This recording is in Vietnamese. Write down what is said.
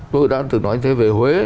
tôi đã từng nói thế về huế